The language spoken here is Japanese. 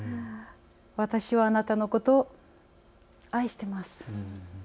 私はあなたのことを愛しています。